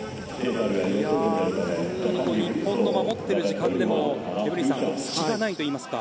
日本の守っている時間でもエブリンさん隙がないといいますか。